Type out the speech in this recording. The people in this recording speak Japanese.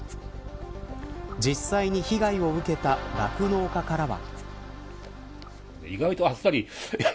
実際に被害を受けた酪農家からは。